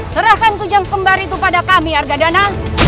serahkan tujang kembar itu pada kami argadana